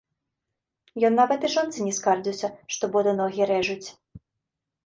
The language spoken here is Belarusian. Ён нават і жонцы не скардзіўся, што боты ногі рэжуць.